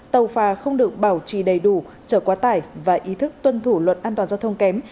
tàu phà không được bảo trì đầy đủ chở quá tải và ý thức tuân thủ luật an toàn giao thông kém